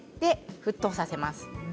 沸騰させます。